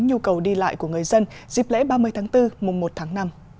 nhu cầu đi lại của người dân dịp lễ ba mươi tháng bốn mùa một tháng năm